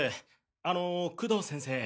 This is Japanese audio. あの工藤先生